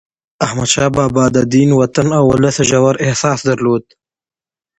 احمدشاه بابا د دین، وطن او ولس ژور احساس درلود.